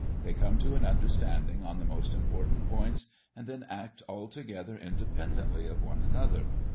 They come to an understanding on the most important points, and then act altogether independently of one another.